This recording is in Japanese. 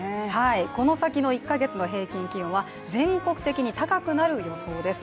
この先の１か月の平均気温は全国的に高くなる予想です。